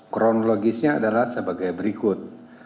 kronologisnya adalah sebagai berikut